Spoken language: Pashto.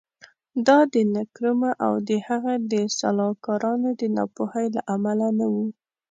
دا د نکرومه او د هغه د سلاکارانو د ناپوهۍ له امله نه و.